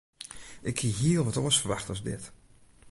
Ik hie hiel wat oars ferwachte as dit.